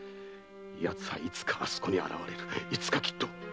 奴はいつかあそこに現れるいつかきっと！